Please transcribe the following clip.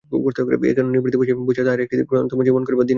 এখন নিভৃতে বসিয়া বসিয়া তাহারই একটি একটি গ্রন্থি মোচন করিবার দিন আসিয়াছে।